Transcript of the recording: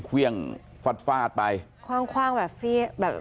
เครื่องฟาดไปคว่างแบบแบบแบบ